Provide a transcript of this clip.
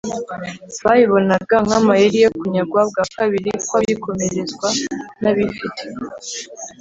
babibonaga nk' amayeri yo kunyagwa bwa kabiri kw' ibikomerezwa n' abifite.